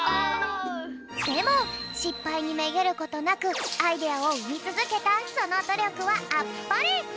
でもしっぱいにめげることなくアイデアをうみつづけたそのどりょくはあっぱれ！